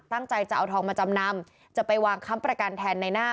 ตั้งใจจะเอาทองมาจำนำจะไปวางค้ำประกันแทนในหน้า